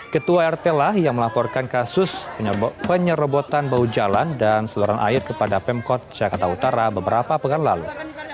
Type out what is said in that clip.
ketua rt lah yang melaporkan kasus penyerobotan bau jalan dan seluruhan air kepada pemkot jakarta utara beberapa pekan lalu